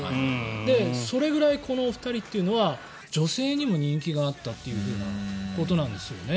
それぐらい２人というのは女性にも人気があったということなんですよね。